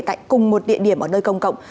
tại cùng một địa điểm ở nơi công cộng